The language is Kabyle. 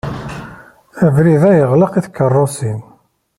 Abrid-a yeɣleq i tkeṛṛusin.